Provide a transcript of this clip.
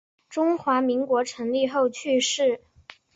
中华民国成立后去世。